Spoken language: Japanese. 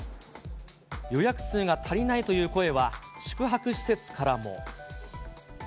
予約数が足りないという声は、宿泊施設からも。